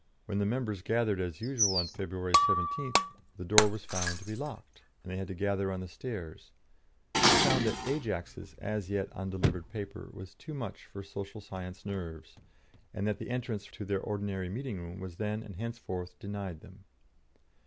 When the members gathered as usual on February 17th, the door was found to be locked, and they had to gather on the stairs; they found that "Ajax's" as yet undelivered paper was too much for Social Science nerves, and that entrance to their ordinary meeting room was then and thenceforth denied them.